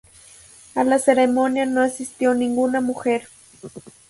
A la ceremonia no asistió ninguna mujer.